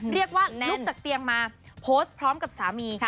เรียกว่าลุกจากเตียงมาโพสต์พร้อมกับสามีค่ะ